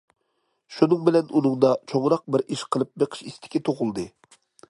شۇنىڭ بىلەن ئۇنىڭدا چوڭراق بىر ئىش قىلىپ بېقىش ئىستىكى تۇغۇلدى.